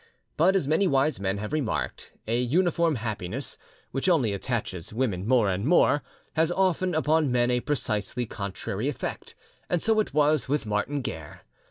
But, as many wise men have remarked, a uniform happiness, which only attaches women more and more, has often upon men a precisely contrary effect, and so it was with Martin Guerre.